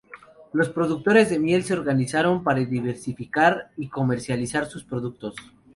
Los productores de miel se organizaron para diversificar y comercializar sus productos.